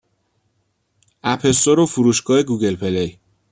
اپ استور و فروشگاه گوگل پلی